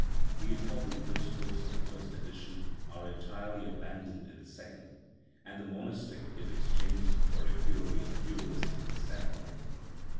The important principles of the first edi tion are entirely abandoned in the second, and the mon istic is exchanged for a purely dualistic stand point.